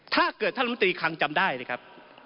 ถ้าเกิดท่านรัฐมนตรีคลังจำได้นะครับ